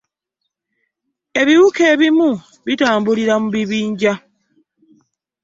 Ebiwuka ebimu bitambulira mu bibinja.